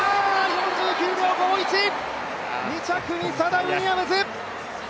４９秒５１、２着にサダ・ウィリアムズ。